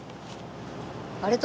あれ？